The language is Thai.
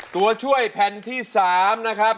ตัวช่วยแผ่นที่๓นะครับ